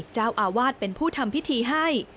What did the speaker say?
เจ้าอาวาสเป็นผู้ทำพิธีให้